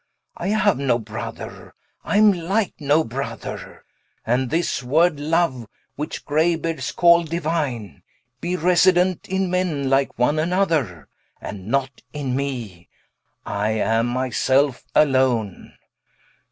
I haue no Brother, I am like no Brother: And this word (Loue) which Gray beards call Diuine, Be resident in men like one another, And not in me: I am my selfe alone.